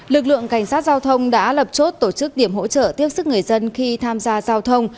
lực lượng cảnh sát giao thông đã lập chốt tổ chức điểm hỗ trợ tiếp sức người dân khi tham gia giao thông